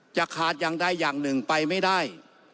จะขาดอย่างใดอย่างหนึ่งไปไม่ได้